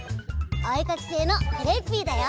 おえかきせいのクレッピーだよ！